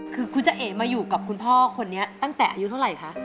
คือคุณจะเอ๋มาอยู่กับคุณพ่อคนนี้ตั้งแต่อายุเท่าไหร่คะ